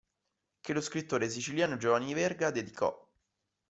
Che lo scrittore siciliano Giovanni Verga dedicò.